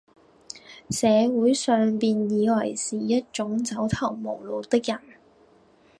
社會上便以爲是一種走投無路的人，